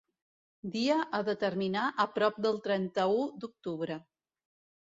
Dia a determinar a prop del trenta-u d'octubre.